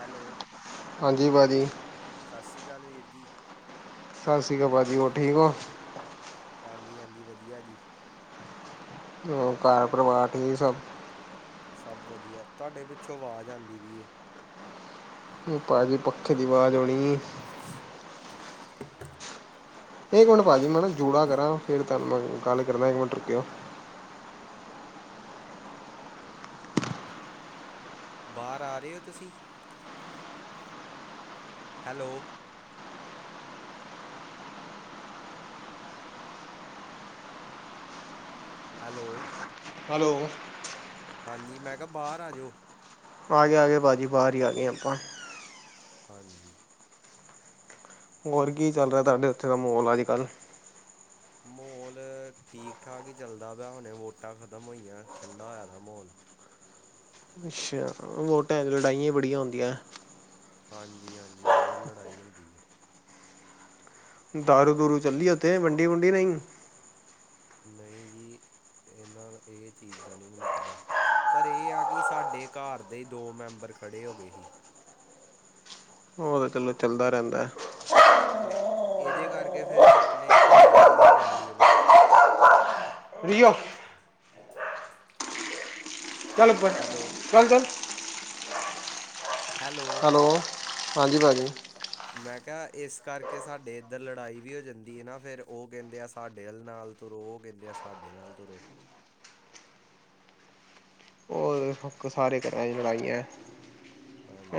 Hello. ਹਾਂਜੀ, ਭਾਜੀ ਸਤਿ ਸ੍ਰੀ ਅਕਾਲ ਵੀਰ ਜੀ। ਸਤਿ ਸ੍ਰੀ ਅਕਾਲ ਭਾਜੀ, ਹੋਰ ਠੀਕ ਓ? ਹਾਂਜੀ, ਹਾਂਜੀ ਵਧੀਆ ਜੀ। ਹੋਰ, ਘਰ ਪਰਿਵਾਰ ਠੀਕ ਸਬ। ਸਬ ਵਦੀਆ, ਤੋਆਡੇ ਪਿੱਛੋ ਆਵਾਜ਼ ਆਂਦੀ ਵੀ ਏ। ਪਾਜੀ ਪੱਖੇ ਦੀ ਵਾਜ਼ ਔਣੀ ਏ। [inaudible] ਏਕ ਮਿੰਟ ਭਾਜੀ ਮੈਂ ਨਾ ਜੂੜਾ ਕਰਾਂ ਫੇਰ ਤਾਨੂੰ ਮੈਂ ਗੱਲ ਕਰਨਾ, ਇੱਕ ਮਿੰਟ ਰੁਕਿਓ। ਬਾਰ ਆ ਰੇ ਓ, ਤੁਸੀ? ਹੈਲੋ। ਹੈਲੋ। ਹੈਲੋ। ਹਾਂਜੀ, ਮੈਂ ਕਾ ਬਾਰ ਆਜੋ। ਆਗੇ ਆਗੇ ਪਾਜੀ ਬਾਰ ਈ ਆਗੇਂ ਆਂਪਾ ਹਾਂਜੀ। ਹੋਰ ਕੀ ਚੱਲ ਰੇਐ ਤਾਡੇ ਓਥੇ ਦਾ ਮੌਲ ਅੱਜ ਕੱਲ ਮੌਲ ਠੀਕ ਠਾਕ ਈ ਚੱਲਦਾ ਪਯੈ, ਹੁਨੇ ਵੋਟਾਂ ਖਤਮ ਹੋਇਐਂ, ਠੰਡਾ ਹੋਯਾ ਦਾ ਮੌਲ। ਅੱਛਾ, ਵੋਟਾਂ ਚ ਲੜਾਈਆਂ ਬੜੀਆਂ ਹੁੰਦੀਐਂ। ਹਾਂਜੀ, ਹਾਂਜੀ ਬੋਤ ਲੜਾਈ ਹੁੰਦੀ ਏ। ਦਾਰੂ, ਦੂਰੂ ਚੱਲੀ ਓੱਥੇ ਵੰਡੀ, ਵੁੰਡੀ ਨਈ ਨਈਂ ਜੀ, ਏਨਾਂ ਏ ਚੀਜ਼ ਦਾ ਨੀ ਮੈਨੂੰ ਪਤਾ। ਪਰ ਏ ਆ ਕਿ ਸਾਡੇ ਘਾਰ ਦੇ ਦੋ ਮੈਂਬਰ ਖੜੇ ਹੋਗੇ ਹੀ। ਓ ਤੇ ਚਲੋ ਚੱਲਦਾ ਰੈਂਦੈ। ਤੇ ਏਦੇ ਕਾਰਕੇ ਫੇਰ ਆਪਨੇ ਏੱਥੇ ਲੜਾਈ ਵੀ ਓ ਜਾਂਦੀ ਏ ਨਾ। ਫਰੀ ਓ ਸਾਨੂੰ ਪਤਾ ਹੈ ਹੈਲੋ ਚੱਲ ਚੱਲ ਹੈਲੋ, ਹਾਂਜੀ ਪਾਜੀ। ਮੈਂ ਕਯਾ ਏਸ ਕਾਰਕੇ ਸਾਡੇ ਏੱਧਰ ਲੜਾਈ ਵੀ ਓ ਜਾਂਦੀ ਏ ਨਾ ਫੇਰ ਓ ਕੈਂਦੇ ਆ ਸਾਡੇ ਆਲ ਨਾਲ ਤੁਰੋਗੇ ਆ ਸਾਡੇ ਨਾਲ ਤੁਰੋ। ਸਾਰੇ ਘਰਾਂ ਚ ਲੜਾਈ ਐ,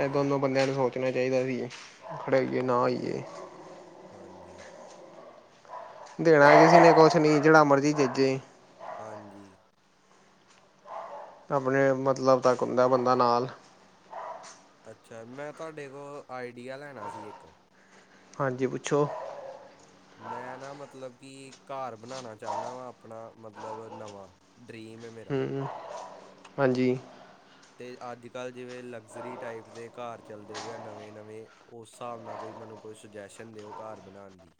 ਐ ਦੋਨੋ ਬੰਦਿਆਂ ਨੂੰ ਸੋਚਣਾ ਚਾਹੀਦਾ ਸੀ, ਖੜ੍ਹੇ ਹੋਈਏ ਨਾ ਹੋਇਏ। ਹਾਂਜੀ। ਦੇਣਾ ਮੈਂ ਕਿਸੇ ਤਾਂ ਨੇ ਕੁਝ ਨਹੀਂ, ਜਿਹੜਾ ਮਰਜ਼ੀ ਦੇਦੇ। ਹਾਂਜੀ। ਆਪਨੇ ਮਤਲਬ ਤੱਕ, ਹੁੰਦਾ ਬੰਦਾ ਨਾਲ। ਅੱਛਾ, ਮੈਂ ਤੁਹਾਡੇ ਕੋਲ ਆਈਡੀਆ ਲੈਣਾ ਸੀ ਇੱਕ। ਹਾਂ ਜੀ ਪੁੱਛੋਂ। ਮੈਂ ਨਾ ਮਤਲਬ ਕਿ, ਘਰ ਬਣਾਉਣਾ ਚਾਹੰਦਾ ਵਾ ਆਪਣਾ ਮਤਲਬ ਨਵਾਂ। ਡ੍ਰੀਮ। ਹਾਂਜੀ। ਤੇ ਅੱਜਕੱਲ੍ਹ ਜਿਵੇਂ ਲਗਜ਼ਰੀ ਟਾਈਪ ਦੇ ਘਰ ਚੱਲਦੇ ਪਏ ਨਵੇਂ ਨਵੇਂ, ਉਸ ਹਿਸਾਬ ਨਾਲ ਤੁਸੀਂ ਮੈਨੂੰ। ਕੋਈ ਸਜੈਸ਼ਨ ਦਿਓ, ਘਰ ਬਨਾਣ ਦੀ।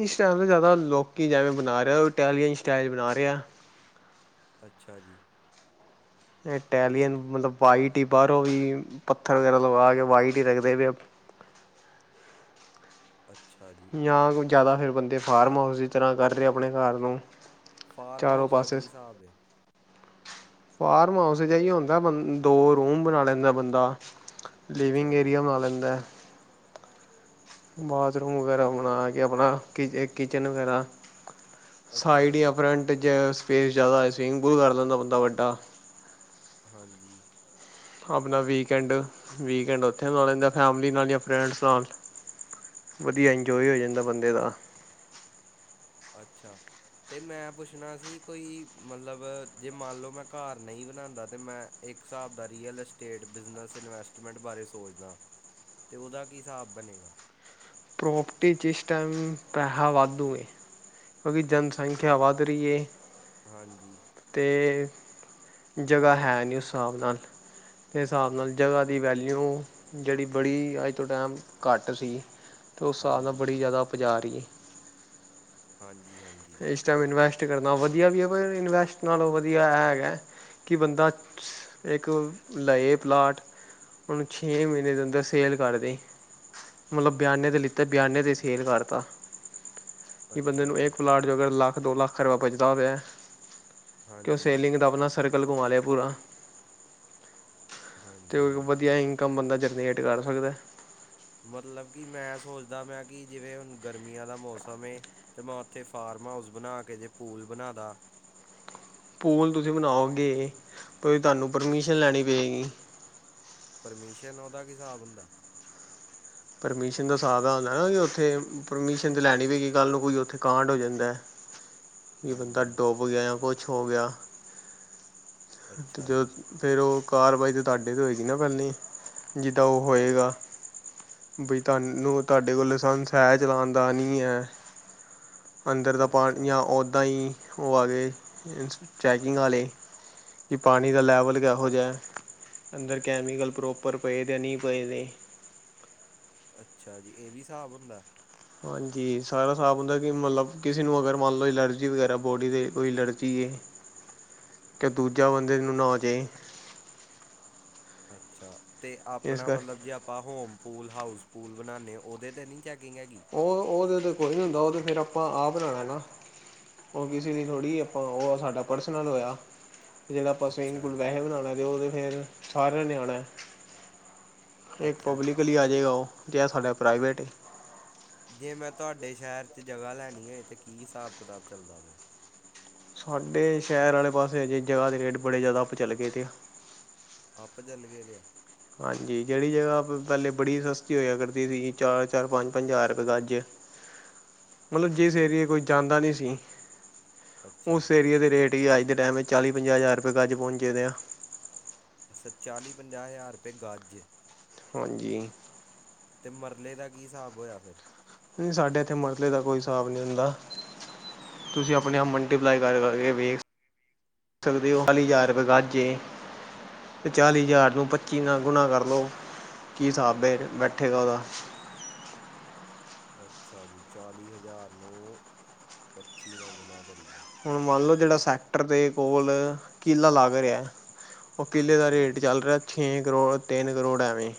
ਇਸ ਟਾਈਮ ਤੇ, ਜ਼ਿਆਦਾ ਲੋਕੀ ਜੇਵੇਂ ਬਣਾ ਰਹੇ ਉਹ ਇਟਾਲਲੀਅਨ ਸਟਾਈਲ ਬਣਾ ਰਿਹੇ ਆ। ਅੱਛਾ, ਜੀ ਇਟਲੀਅਨ ਮਤਲਬ ਵਾਈਟ ਹੀ ਬਾਹਰੋਂ ਵੀ ਪੱਥਰ ਵਗੈਰਾ ਲਗਾ ਕੇ, ਵਾਈਟ ਹੀ ਰੱਖਦੇ ਪਾਏ। ਅੱਛਾ ਜੀ। ਜਾਂ ਕੋਈ ਜ਼ਿਆਦਾ ਫਿਰ ਬੰਦੇ, ਫਾਰਮਹਾਊਸ ਦੀ ਤਰ੍ਹਾਂ ਕਰਦੇ ਆਪਣੇ ਘਰ ਨੂੰ। ਚਾਰੋਂ ਫਾਰਮਹਾਊਸ ਦਾ ਪਾਸੇ ਕੀ ਹਿਸਾਬ ਹੈ। ਫਾਰਮਹਾਊਸ ਜਹੀ ਹੁੰਦਾ, ਦੋ ਰੂਮ ਬਣਾ ਲੈਂਦਾ ਹੇ ਬੰਦਾ। ਅੱਛਾ ਲਿਵਿੰਗ ਜੀ ਏਰੀਆ ਬਣਾ ਲੈਂਦਾ ਹੈ। ਬਾਥਰੂਮ ਵਗੈਰਾ ਬਣਾ ਕੇ ਆਪਣਾ, ਇੱਕ ਕਿਚਨ ਵਗੈਰਾ। ਅੱਛਾ ਸਾਈਡ ਜਾਂ ਜੀ ਫਰੰਟ ' ਸਪੇਸ ਜ਼ਿਆਦਾ ਸਵੀਮਿੰਗ ਪੂਲ ਕਰ ਲੈਂਦਾ ਬੰਦਾ ਵੱਡਾ। ਹਾਂ ਜੀ, ਆਪਣਾ ਵੀਕਐਂਡ- ਵੀਕਐਂਡ ਉੱਥੇ ਲ ਲੈਂਦੇ ਫੈਮਿਲੀ ਨਾਲ ਜਾਂ ਫ਼੍ਰੇੰਡ੍ਸ ਨਾਲ। ਵਧੀਆ ਇੰਜੋਏ ਹੋ ਜਾਂਦਾ ਬੰਦੇ ਦਾ। ਅੱਛਾ। ਤੇ ਮੈਂ ਪੁੱਛਣਾ ਸੀ ਕੋਈ, ਮਤਲਬ ਜੇ ਮੰਨਲਓ ਮੈਂ ਘਰ ਨਹੀਂ ਬਣਾਂਦਾ, ਤੇ ਮੈ ਇੱਕ ਹਿਸਾਬ ਦਾ ਰੀਅਲ ਐਸਟੇਟ, ਬਿਜ਼ਨਸ, ਇਨਵੈਸਟਮੈਂਟ ਬਾਰੇ ਸੋਚਦਾ। ਤੇ ਓਦਾ ਕੀ ਹਿਸਾਬ ਬਣੇਗਾ? ਪ੍ਰੋਪਰਟੀ ਜਿਸ ਟਾਈਮ, ਪੈਹਾ ਵਾਧੂ ਏ। ਕਿਉਂਕਿ ਜਨਸੰਖਿਆ ਵੱਧ ਰਹੀ ਏ। ਹਾਂਜੀ। ਤੇ, ਜਗ੍ਹਾ ਹੇ ਨਹੀਂ ਉਸ ਹਿਸਾਬ ਨਾਲ। ਤੇ ਹਿਸਾਬ ਨਾਲ ਜਗ੍ਹਾ ਦੀ ਵੈਲਿਊ, ਜਿਹੜੀ ਬੜੀ ਅੱਜ ਤੋਂ ਟਾਈਮ ਘੱਟ ਸੀ। ਤੇ ਉਸ ਸਾਲ ਨਾਲ ਹਾਂਜੀ ਬੜੀ ਜ਼ਿਆਦਾ ਉਪਜਾ ਰਹੀ ਏ। ਹਾਂਜੀ-ਹਾਂਜੀ। ਇਸ ਟਾਈਮ ਇਨਵੈਸਟ ਕਰਨਾ ਵਧੀਆ ਵੀ ਏ, ਪਰ ਇਨਵੈਸਟ ਨਾਲੋਂ ਵਧੀਆ ਐ ਹੇਗਾ। ਕਿ ਬੰਦਾ, ਇੱਕ ਲਏ ਪਲਾਟ, ਉਹੁਨੂੰ ਛੇ ਮਹੀਨੇ ਦੇ ਅੰਦਰ ਸੇਲ ਕਰਦੇ। ਮਤਲਬ ਬਿਆਨੇ ਤੇ ਲਿੱਤਾ, ਬਿਆਨੇ ਤੇ ਸੇਲ ਕਰਤਾ। ਕਿ ਬੰਦੇ ਅੱਛਾ ਨੂ ਜੀ ਇੱਕ ਪਲਾਟ ਜੋਗਾ, ਲੱਖ- ਦੋ ਲੱਖ ਰੁਪਏ ਬਚਦਾ ਪਿਆ। ਕਿ ਉਹ ਹਾਂਜੀ ਸੇਲਿੰਗ ਦਾ ਅਪਣਾ, ਸਰਕਲ ਘੁਮਾਲੇ ਪੂਰਾ। ਤੇ ਹਾਂਜੀ ਉਹ ਹਾਂਜੀ ਵਧੀਆ ਇਨਕਮ ਬੰਦਾ ਜਨਰੇਟ ਕਰ ਸਕਦਾ। ਮਤਲਬ ਕਿ, ਮੈਂ ਸੋਚਦਾ ਮੈਂ ਕਿ, ਜਿਵੇਂ ਹੁਣ ਗਰਮੀਆਂ ਦਾ ਮੌਸਮ ਏ। ਤੇ ''ਮੈਂ ਉੱਥੇ ਫਾਰਮ ਹਾਊਸ ਬਣਾਕੇ, ਜੇ ਪੂਲ ਬਣਾਦਾ। ਪੂਲ ਤੁਸੀਂ ਬਣਾਓਗੇ, ਕੋਈ ਤੁਹਾਨੂੰ ਪਰਮਿਸ਼ਨ ਲੈਣੀ ਪਏਗੀ। ਪਰਮਿਸ਼ਨ ਉਹਦਾ ਕੀ ਹਿਸਾਬ ਹੁੰਦਾ? ਪਰਮਿਸ਼ਨ ਦਾ ਸ੍ਹਾਬ ਦਾ, ਪਰਮਿਸ਼ਨ ਤਾਂ ਲੈਣੀ ਪਏਗੀ, ਕੱਲ੍ਹ ਨੂੰ ਕੋਈ ਉੱਥੇ ਕਾਂਡ ਹੋ ਜਾਂਦੈ। [inaudible] ਕਿ ਬੰਦਾ ਡੁੱਬ ਗਿਆ, ਯਾਂ ਕੁਝ ਹੋ ਗਿਆ। ਤੇ ਅੱਛਾ ਜਦ ਜੀ ਫੇਰ ਉਹ ਕਾਰਵਾਈ ਤਾਂ ਤੁਹਾਡੇ ਤੇ ਹੋਏਗੀ ਨਾ ਪਹਿਲੀ, ਜਿੱਦਾਂ ਉਹ ਹੋਏਗਾ। ਬਈ ਤੁਾਨੂੰ, ਤੁਹਾਡੇ ਕੋਲ ਲਸੰਸ ਹੈ ਚਲਾਣ ਦਾ ਨੀ ਐ। ਅੰਦਰ ਦਾ ਪਾਣੀ, ਅੱਛਾ ਯਾ ਓਦਾਂ ਈ ਉਹ ਆ ਗਏ ਚੈਕਿੰਗ ਵਾਲੇ। ਕਿ ਪਾਣੀ ਦਾ ਲੈਵਲ ਕਿਹੋ ਜਿਹਾ, ਅੰਦਰ ਕੈਮੀਕਲ ਪ੍ਰੋਪਰ ਪਏ ਅਤੇ ਨਹੀਂ ਪਏ ਨੇ। ਅੱਛਾ ਜੀ, ਇਹ ਵੀ ਹਿਸਾਬ ਹੁੰਦਾ? ਹਾਂਜੀ, ਸਾਰਾ ਸ੍ਹਾਬ ਹੁੰਦਾ ਕਿ ਮਤਲਬ, ਕਿਸੇ ਨੂੰ ਅਗਰ ਮੰਨ ਲਓ ਇਲਰਜੀ ਵਗੈਰਾ ਬੋਡੀ ਤੇ, ਕੋਈ ਏਲਰਜੀ ਏ। [inaudible] ਕਿ ਦੂਜਾ ਬੰਦੇ ਨੂੰ ਨਾ ਹੋਜੇ। ਅੱਛਾ, ਤੇ ਇਸ ਆਪਣਾ ਕਰਕੇ ਮਤਲਬ ਜੇ ਆਪਾਂ ਹੋਮ ਪੂਲ ਹਾਊਸ ਪੂਲ ਬਣਾਂਨੇ ਆ, ਉਹਦੇ ਤੇ ਨਹੀਂ ਚੈਕਿੰਗ ਹੈਗੀ? ਉਹ ਉਹਦੇ ਤੇ ਕੋਈ ਨੀ ਹੁੰਦਾ, ਉਹ ਤੇ ਫੇਰ ਆਪਾਂ ਆਪ ਬਣਾਣੈ ਨਾ। ਉਹ ਕਿਸੇ ਦੀ ਥੋੜ੍ਹੀ ਆਪਾਂ, ਉਹ ਸਾਡਾ ਪਰਸਨਲ ਹੋਇਆ। ਜਿੜੇ ਆਪਾਂ ਸਵੀਮਿੰਗ ਅੱਛਾ ਪੂਲ ਲ ਜੀ ਵੈਹੇ ਬਣਾਣਾ, ਤੇ ਓ ਤੇ ਫਿਰ ਸਾਰਿਆਂ ਨੇ ਆਣੈ। ਇਹ ਅੱਛਾ ਪਬਲਿਕਲੀ ਆਜੇਗਾ ਉਹ, ਤੇ ਐ ਸਾਡਾ ਪ੍ਰਾਈਵੇਟ ਏ। ਜੇ ''ਮੈਂ ਤੁਹਾਡੇ ਸ਼ਹਿਰ 'ਚ ਜਗ੍ਹਾ ਲੈਣੀ ਹੈਤਾਂ ਕੀ ਹਿਸਾਬ ਕਿਤਾਬ ਚੱਲਦਾ ਪਿਆ? ਸਾਡੇ, ਸ਼ਹਿਰ ਵਾਲੇ ਪਾਸੇ ਅਜੇ ਜਗ੍ਹਾ ਦੇ ਰੇਟ ਬੜੇ ਜ਼ਿਆਦਾ ਆਪ ਚਲੇ ਗਏ। ਅੱਪ ਜੱਲ ਗਏ ਦੇ ਆ? ਹਾਂਜੀ, ਜਿਹੜੀ ਜਗ੍ਹਾ ਪਹਿਲੇ ਬੜੀ ਸਸਤੀ ਹੋਇਆ ਕਰਦੀ ਸੀਗੀ, ਚਾਰ-ਚਾਰ, ਪੰਜ-ਪੰਜ ਹਜਾਕ ਰਪਏ ਗੱਜ। [inaudible] ਮਤਲਬ ਜਿਸ ਏਰੀਏ ਕੋਈ ਜਾਂਦਾ ਨਹੀਂ ਸੀ ਅੱਛਾ ਉਸ ਜੀ ਏਰੀਏ ਦੇ ਰੇਟ ਹੀ ਅੱਜ ਦੇ ਟਾਈਮ ਚ ਚਾਲੀ ਪੰਜਾਹ ਹਜ਼ਾਰ ਰੁਪਏ ਗੱਜ ਪਹੁੰਚੇ ਦੇ ਆ। ਅੱ ਸ ਚਾਲੀ ਪੰਜਾਹ ਹਜ਼ਾਰ ਰੁਪਏ ਗਜ। ਹਾਂਜੀ। ਤੇ ਮਰਲੇ ਦਾ ਕੀ ਹਿਸਾਬ ਹੋਇਆ ਫਿਰ? ਨੀ ਸਾਡੇ ਇੱਥੇ ਮਸਲੇ ਦਾ ਕੋਈ ਹਿਸਾਬ ਨਹੀਂ ਹੁੰਦਾ। ਤੁਸੀਂ ਆਪਣੇ ਆਪ ਮਲਟੀਪਲਾਈ ਕਰ-ਕਰਕੇ ਵੇਖ ਸਕਦੇ ਹੋ, ਹਾਲੀ ਹਜ਼ਾਰ ਰੁਪਏ ਗੱਜ ਏ। ਤੇ ਚਾਲੀ ਹਜ਼ਾਰ ਨੂੰ ਪੱਚੀ ਨਾਲ ਗੁਣਾ ਕਰਲੋ, ਕੀ ਹਿਸਾਬ ਹੈ ਬੈਠੇਗਾ ਉਹਦਾ। ਅੱਛਾ ਜੀ ਚਾਲੀ ਹਜ਼ਾਰ ਨੂ ਪੱਚੀ ਨਾਲ ਗੁਣਾ ਕਰੀਏ। ਹੁਣ ਮੰਨ ਲਓ ਜਿਹੜਾ ਸੈਕਟਰ ਦੇ ਕੋਲ ਕਿਲਾ ਲਾਗ ਰਿਹਾ ਹੇ ਉਹ ਕਿੱਲੇ ਦਾ ਅੱਛਾ ਰੇਟ ਚੱਲ ਰਿਹਾ, ਛੇ ਕਰੋੜ ਤਿੰਨ ਕਰੋੜ ਐਵੇਂ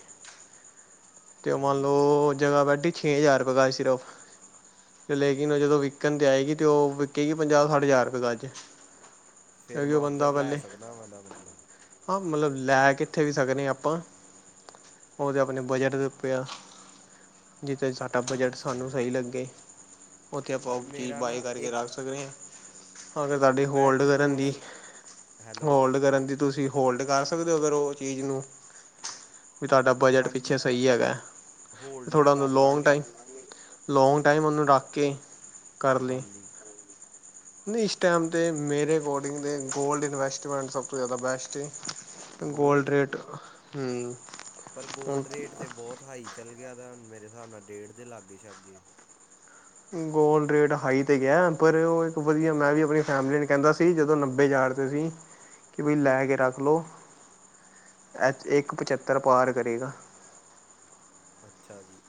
ਤੇ ਉਹ ਮੰਨ ਹਾਂਜੀ ਲਓ ਜਗ੍ਹਾ ਬੈਢੀ ਛੇ ਹਜ਼ਾਰ ਰੁਪਏ ਗਜ ਸਿਰਫ। ਤੇ ਲੇਕਿਨ ਜਦੋਂ ਵਿਕਣ ਤੇ ਆਏਗੀ ਤੇ ਉਹ ਵਿਕਕੇਗੀ ਪੰਜਾਹ ਸੱਠ ਹਜ਼ਾਰ ਰੁਪਏ ਗੱਜ। ਫੇਰ ਕਿਉਂਕਿ ਮੈਂ ਉਹ ਬੰਦਾ ਉੱਧਰ ਲੈ ਪਹਿਲੇ ਸਕਦਾ ਵਾਂ ਏਦਾ ਮਤਲਬ। ਹਾਂ ਮਤਲਬ ਲੈ ਕਿੱਥੇ ਵੀ ਸਕਦੇ ਹਾਂ ਆਪਾਂ ਉ ਦੇ ਆਪਣੇ ਬਜਟ ਦੇ ਪਿਆ। ਜਿਥੇ ਸਾਡਾ ਬਜਟ ਅੱਛਾ ਸਾਨੂੰ ਜੀ ਸਹੀ ਲੱਗੇ। ਉੱਥੇ ਆਪਾਂ ਪਰ ਉਹ ਚੀਜ਼ ਮੇਰਾ ਬਾਏ ਨਾ ਕਰਕੇ ਇੱਕ ਰੱਖ ਸਕਦੇ ਹਾਂ। ਅਗਰ ਤੁਹਾਡੇ ਮੈਂ ਹੋਲਡ ਇੱਕ ਕਰਨ ਹੋਰ ਦੀ ਸੋ ਹੈਲੋ ਹੋਲਡ ਕਰਨ ਦੀ ਤੁਸੀਂ ਹੋਲਡ ਕਰ ਸਕਦੇ ਹੋ ਅਗਰ ਉਹ ਚੀਜ਼ ਨੂੰ, ਵੀ ਤੁਹਾਡਾ ਬਜਟ ਪਿੱਛੇ ਹਾਂਜੀ ਸਹੀ ਹੈਗਾ। ਹੋਲਡ 'ਤੇ ਥੋੜ੍ਹਾ ਹੁੰਦਾ ਕਰ ਲੌਂਗ ਲਾਂਗੇ ਟਾਈਮ ਲੌਂਗ ਟਾਈਮ ਉਹਨੂੰ ਰੱਖ ਕੇ ਕਰ ਲਈ। ਹਾਂਜੀ ਨਹੀਂ ਇਸ ਟਾਈਮ ਤੇ ਮੇਰੇ ਅਕੋਰਡਿੰਗ ਦੇ ਗੋਲਡ ਇਨਵੈਸਟਮੈਂਟ ਸਭ ਤੋਂ ਜ਼ਿਆਦਾ ਬੈਸਟ ਹੇ। ਗੋਲਡ ਰੇਟ ਹੁਂ ਪਰ ਗੋਲਡ ਰੇਟ ਤੇ ਬਹੁਤ ਹਾਈ ਚੱਲ ਗਿਆ ਦਾ ਹੈ ਹੁਨ। ਮੇਰੇ ਹਿਸਾਬ ਨਾਲ ਡੇਢ ਦੇ ਲਾਗੇ ਛਾਗੇ ਹੈ। ਗੋਲਡ ਰੇਟ ਹਾਈ ਤੇ ਗਿਆ ਹੈ, ਪਰ ਉਹ ਇੱਕ ਵਧੀਆ। ਮੈਂ ਵੀ ਆਪਣੀ ਫੈਮਿਲੀ ਨੂੰ ਕਹਿੰਦਾ ਸੀ ਜਦੋਂ ਨੱਬੇ ਹਜ਼ਾਰ ਤੁਸੀਂ, ਕਿ ਭਈ ਲੈ ਕੇ ਰੱਖ ਲਓ ਅਜ ਇੱਕ ਪਚੱਤਰ ਪਾਰ ਕਰੇਗਾ। ਅੱਛਾ ਜੀ।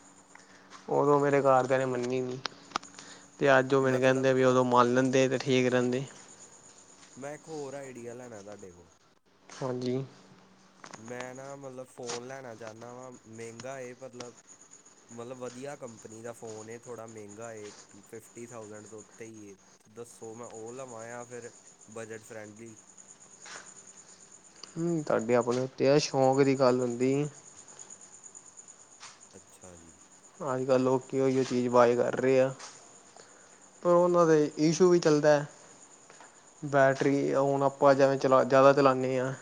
ਉਦੋਂ ਮੇਰੇ ਘਰ ਘਰੇ ਮੰਨੀ ਨਹੀਂ, ਤੇ ਅੱਜ ਉਹ ਮੈਨੂੰ ਮਤਲਬ ਕਹਿੰਦੇ ਵੀ ਉਦੋਂ ਮੰਨ ਲੈਂਦੇ ਤੇ ਠੀਕ ਠੀਕ ਰਹਿੰਦੇ। ਮੈਂ ਇੱਕ ਹੋਰ ਆਈਡੀਆ ਲੈਣਾ ਤੁਹਾਡੇ ਕੋਲ। ਹਾਂਜੀ। ਮੈਂ ਨਾ ਮਤਲਬ ਫੋਨ ਲੈਣਾ ਚਾਹੁੰਦਾ ਵਾ, ਮ ਮਹਿੰਗਾ ਐ ਮਤਲਬ ਮਤਲਬ ਵਧੀਆ ਕੰਪਨੀ ਦਾ ਫ਼ੋਨ ਏ। ਥੋੜ੍ਹਾ ਮਹਿੰਗਾ ਏ, ਫ ਫਿਫਟੀ ਥਾਊਸੈਂਡ ਤੋਂ ਉੱਤੇ ਹੀ ਐ। ਤੇ ਦੱਸੋ ਮੈਂ ਉਹ ਲਵਾਂ ਯਾ ਫਿਰ ਬਜਟ ਫਰੈਂਡਲੀ ਹੁਮ। ਤੁਹਾਡੇ ਆਪਣੇ ਉੱਤੇ ਐ ਸ਼ੌਂਕ ਦੀ ਗੱਲ ਹੁੰਦੀ ਅੱਛਾ ਜੀ। ਅੱਜ ਕੱਲ੍ਹ ਲੋਕ ਓਹੀ ਚੀਜ਼ ਬਾਏ ਕਰ ਰਹੇ ਆ। ਪਰ ਉਹਨਾਂ ਦੇ ਇਸ਼ੂ ਵੀ ਚੱਲਦਾ ਏ ਬੈਟਰੀ ਹੁਣ ਆਪਾਂ ਜਿਵੇਂ ਚਲਾ, ਜ਼ਿਆਦਾ ਚਲਾਉਂਦੇ ਹਾਂ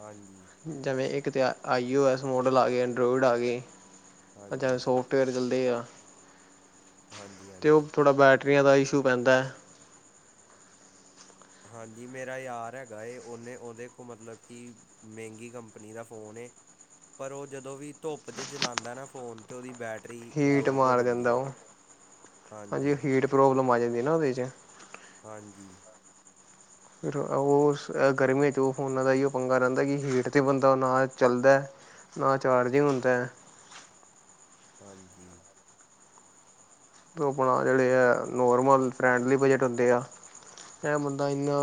ਹਾਂਜੀ। ਜਿਵੇਂ ਇੱਕ ਤੇ ਆ ਆਈ ਓ ਐਸ ਮੋਡਲ ਆ ਗਿਆ ਐਂਡਰੋਇਡ ਆ ਗਿਆ ਈ, ਜਿਵੇਂ ਹਾਂਜੀ ਸੋਫ ਟ ਵੇਅਰ ਚੱਲਦੇ ਆ ਹਾਂਜੀ ਅਤੇ ਉਹ ਹਾਂਜੀ ਥੋੜਾ ਬੈਟਰੀਆਂ ਦਾ ਇਸ਼ੂ ਪੈਂਦਾ ਹੈ। ਹਾਂਜੀ ਮੇਰਾ ਯਾਰ ਹੈਗਾ ਏ, ਉਹਨੇ ਉਹਦੇ ਕੋਲ ਮਤਲਬ ਕਿ ਮੈਂਗੀ ਕੰਪਨੀ ਦਾ ਫੋਨ ਏ ਪਰ ਓ ਜਦੋਂ ਵੀ ਧੁੱਪ ਚ ਜਲਾਂਦਾ ਏ ਨਾ ਫੋਨ ਤੇ ਓ ਦੀ ਬੈਟਰੀ ਹੀਟ ਡਰੋਪ ਹੋ ਮਾਰ ਦਿੰਦਾ ਜਾਂਦੀ ਏ ਉਹ ਹਾਂਜੀ ਤੇ ਪ੍ਰੋਬਲਮ ਆ ਜਾਂਦੀ ਐ ਨਾ ਓਦੇ ਚ ਹਾਂਜੀ। ਫਿਰ ਓਸ ਐ ਗਰਮੀਆਂ 'ਚ ਓ ਫੋਨਾਂ ਦਾ ਇਓ ਪੰਗਾ ਰੈਂਦਾ ਕਿ ਹੀਟ 'ਤੇ ਬੰਦਾ ਨਾ ਚੱਲਦਾਏ ਨਾ ਚਾਰਜਿੰਗ ਹੁੰਦਾ ਐ। ਹਾਂਜੀ। ਆਪਣਾ [unintelligible] ਲੇਆ ਨੋਰਮਲ ਫਰੈਂਡਲੀ ਬਜਟ ਹੁੰਦੇ ਆ। ਐ ਬੰਦਾ ਇਨਾ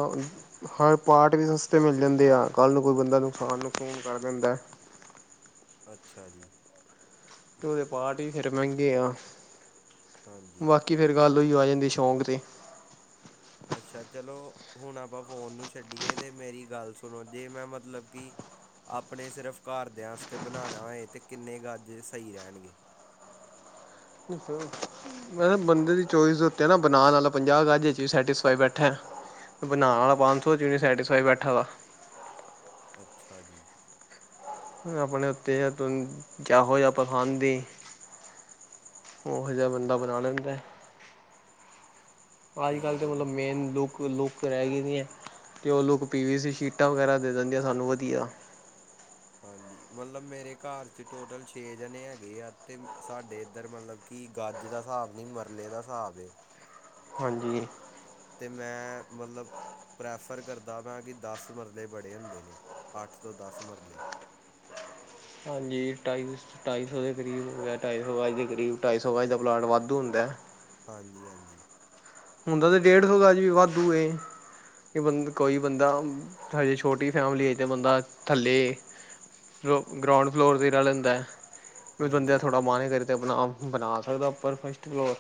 ਹਰ ਪਾਰਟ ਵੀ ਸਸਤੇ ਮਿਲ ਜਾਂਦੇ ਆ, ਕੱਲ੍ਹ ਨੂੰ ਕੋਈ ਬੰਦਾ ਨੁਕਸਾਨ ਨੁਕਸੁਨ ਕਰ ਦਿੰਦਾਏ। ਅੱਛਾ ਜੀ। ਤੇ ਓਦੇ ਪਾਰਟ ਵੀ ਫੇਰ ਮਹਿੰਗੇ ਆ ਹਾਂਜੀ। ਕਿ ਫਿਰ ਗੱਲ ਓਈ ਆ ਜਾਂਦੀ ਸ਼ੌਂਕ 'ਤੇ। ਅੱਛਾ ਚਲੋ ਹੁਣ ਆਪਾਂ ਫੋਨ ਨੂੰ ਛੱਡੀਏ ਤੇ ਮੇਰੀ ਗੱਲ ਸੁਣੋ ਜੇ ਮੈਂ ਮਤਲਬ ਕਿ ਆਪਣੇ ਸਿਰਫ਼ ਘਰਦਿਆਂ ਆਸਤੇ ਬਣਾਣਾ ਹੋਏ ਅਤੇ ਕਿੰਨੇ ਗਜ ਸਈ ਰੈਣਗੇ? ਅੱਛ [unintelligible] [inaudible] ਐ ਨਾ ਬੰਦੇ ਦੀ ਚੋਇਸ ਦੇ ਉੱਤੇ ਐ ਨਾ ਬਨਾਨ ਆਲਾ ਪੰਜਾਹ ਗਜ ਚ ਵੀ ਸੈਟਿਸਫਾਈ ਬੈਠਾ ਏ। ਬਣਾਣ ਆਲਾ ਪੰਜ ਸੌ ਚ ਵੀ ਨੀ' ਸੈਟਿਸਫਾਈ ਬੈਠਾ ਦਾ। ਅੱਛਾ ਜੀ। ਆਪਣੇ ਉੱਤੇ ਐ ਤੁਨ ਜਾਹੋ ਜਿਹਾ ਪਸੰਦ ਈ। ਓਹੋ ਜਿਆ ਬੰਦਾ ਬਣਾ ਲੈਂਦਾ ਐ। ਅੱਜ ਕੱਲ ਠੀਕ ਤੇ ਹੈ ਮਲਬ ਮੇਨ ਲੁਕ ਕੋਈ ਲੁੱਕ ਰੈ ਗਈ ਥੀ ਐ ਤੇ ਓ ਲੁੱਕ ਪੀ ਵੀ ਸੀ ਸ਼ੀਟਾਂ ਵਗੈਰਾ ਦੇ ਦਿੰਦੀਆਂ ਸਾਨੂੰ ਵਧੀਆ। ਹਾਂਜੀ, ਮਤਲਬ ਮੇਰੇ ਘਰ ਚ ਟੋਟਲ ਛੇ ਜਣੇ ਹੈਗੇ ਆ, ਤੇ ਸਾਡੇ ਇੱਧਰ ਮਤਲਬ ਕਿ ਗਜ ਦਾ ਸਾਬ ਨੀ, ਮਰਲੇ ਦਾ ਸਾਬ ਏ। ਹਾਂਜੀ। ਤੇ ਮੈਂ ਮਲਬ ਪ੍ਰੈਫਰ ਕਰਦਾ ਪਿਆ ਕਿ ਦਸ ਮਰਲੇ ਬੜੇ ਹੁੰਦੇ ਨੇ, ਅੱਠ ਤੋਂ ਦਸ ਮਰਲੇ। ਹਾਂਜੀ ਢਾਈ ਵਿਸ ਢਾਈ ਸੌ ਦੇ ਕਰੀਬ ਹੋ ਗੇਆ ਢਾਈ ਸੌ ਗਜ ਦੇ ਕਰੀਬ ਢਾਈ ਸੌ ਗਜ ਦਾ ਪਲਾਂਟ ਵਾਧੂ ਹੁੰਦਾਏ। ਹਾਂਜੀ, ਹਾਂਜੀ। ਹੁੰਦਾ ਤੇ ਡੇਢ ਸੌ ਗਜ ਵੀ ਵਾਧੂ ਏ। ਕਿ ਬੰਦ ਕੋਈ ਬੰਦਾ ਹਜੇ ਛੋਟੀ ਫੈਮਿਲੀ ਐ ਤੇ ਬੰਦਾ ਥੱਲੇ ਗ੍ਰੋ ਗਰਾਊਂਡ ਫਲੋਰ 'ਤੇ ਈ ਰੈ ਲੈਂਦਾ ਏ ਬੰਦੇ ਦਾ ਹਾਂਜੀ ਥੋੜਾ ਮਨ ਕਰੇ ਆਪਣਾ ਬਣਾ ਸਕਦੈ ਉਪਰ ਫਸਟ ਫਲੋਰ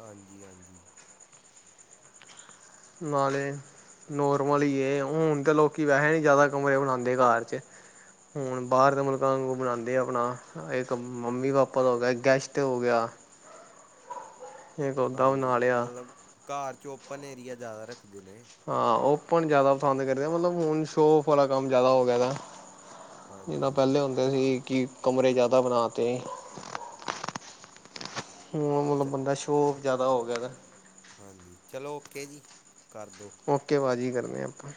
ਹਾਂਜੀ- ਹਾਂਜੀ। ਨਾਲੇ ਨੋਰਮਲ ਈ ਏ ਉਂ ਹੁਣ ਤਾਂ ਲੋਕੀ ਵੈਹੇ ਨੀ ਜ਼ਿਆਦਾ ਕਮਰੇ ਬਣਾਂਦੇ ਘਰ 'ਚ। ਹੁਣ ਬਾਅਰ ਦੇ ਮੁਲਕਾਂ ਨੂੰ ਬਣਾਂਦੇ ਆਪਣਾ ਹਾਂ ਇੱਕ ਮੰਮੀ ਪਾਪਾ ਦਾ ਹੋ ਗਿਆ ਗੈਸਟ ਹੋ ਗਿਆ। ਇੱਕ ਉੱਦਾਂ ਬਣਾ ਹਾਂਜੀ, ਲਿਆ ਮਲਬ ਘਰ ਚ ਓਪਨ ਏਰੀਆ ਜ਼ਿਆਦਾ ਰੱਖਦੇ ਨੇ। ਹਾਂ ਓਪਨ ਜ਼ਿਆਦਾ ਪਸੰਦ ਕਰਦੇ ਆ ਮਲਬ ਹੁਣ ਸ਼ੋ ਓਫ ਵਾਲਾ ਕੰਮ ਜਿਆਦਾ ਹੋ ਗਿਆ ਏਦਾ। ਜਿਦਾਂ ਹਾਂਜੀ ਪੈਲੇ ਹੁੰਦੇ ਸੀ ਕਿ ਕਮਰੇ ਜ਼ਿਆਦਾ ਬਣਾ ਤੇ ਹੁੰ ਮਲਬ ਚ ਬੰਦਾ ਸ਼ੋ ਓਫ ਜਿਆਦਾ ਹੋ ਗਿਆ ਏਦਾ। ਹਾਂਜੀ ਚਲੋ ਓਕੇ ਜੀ, ਕਰ ਦੋ- ਓਕੇ ਬਾਜੀ ਕਰਨੇ ਆ ਆਪਾਂ।